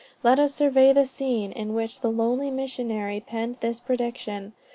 Let us survey the scene in which the lonely missionary penned this prediction.